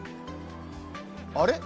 あれ？